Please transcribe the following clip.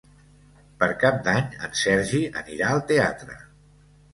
Per Cap d'Any en Sergi anirà al teatre.